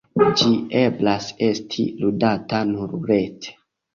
Ĝi eblas esti ludata nur rete.